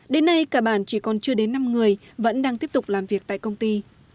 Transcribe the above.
đến nay cả bản chỉ còn chưa đến năm người vẫn đang tiếp tục làm việc tại công ty